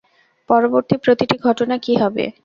পরবর্তী প্রতিটি ঘটনা কি হবে।